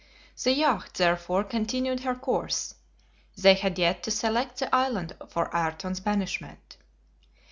The yacht therefore continued her course. They had yet to select the island for Ayrton's banishment.